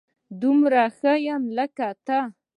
دومره ښه يم لکه ته